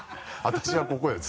私はここよ。